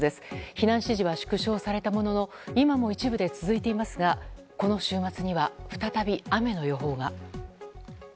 避難指示は縮小されたものの今も一部で続いていますがこの週末には再び雨の予報が。